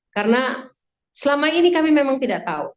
karena selama ini kami memang tidak tahu